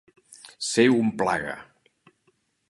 Ser un plaga.